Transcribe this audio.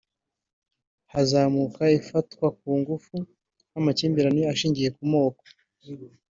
hazamuka ifatwa ku ngufu n’amakimbirane ashingiye ku moko